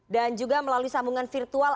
dan juga melalui sambungan virtual